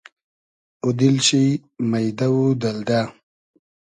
اوو دیل شی مݷدۂ و دئلدۂ